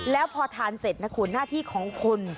แล้วพอทานเสร็จนะคุณหน้าที่ของคุณ